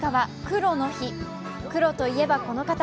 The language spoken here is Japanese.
黒といえば、この方。